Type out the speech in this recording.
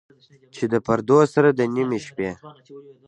چې د پردو سره، د نیمې شپې،